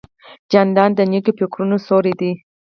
جانداد د نیکو فکرونو سیوری دی.